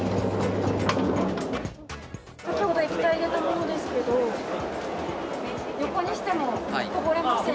先ほど液体を入れたものですけど横にしてもこぼれません。